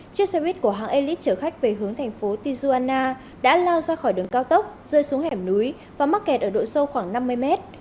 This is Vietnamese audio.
chiếc xe buýt của hàng elite chở khách về hướng thành phố tijuana đã lao ra khỏi đường cao tốc rơi xuống hẻm núi và mắc kẹt ở độ sâu khoảng năm mươi mét